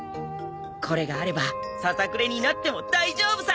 これがあればささくれになっても大丈夫さ！